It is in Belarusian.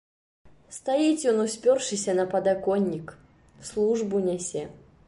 Стаіць ён, успёршыся на падаконнік, службу нясе.